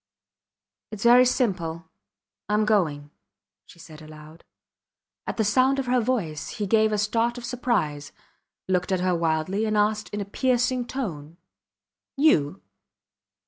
Its very simple Im going, she said aloud. At the sound of her voice he gave a start of surprise, looked at her wildly, and asked in a piercing tone You.